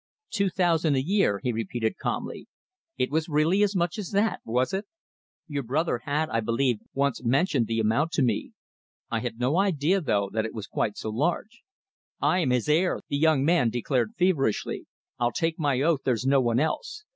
"Two thousand a year," he repeated calmly. "It was really as much as that, was it? Your brother had, I believe, once mentioned the amount to me. I had no idea, though, that it was quite so large." "I am his heir," the young man declared feverishly. "I'll take my oath there's no one else.